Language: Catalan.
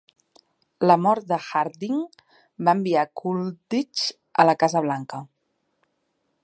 La mort de Harding va enviar Coolidge a la Casa Blanca.